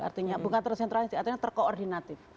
artinya bukan tersentralistik artinya terkoordinatif